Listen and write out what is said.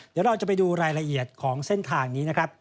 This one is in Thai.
เดี๋ยวเราจะไปดูรายละเอียดของเส้นทางนี้นะครับ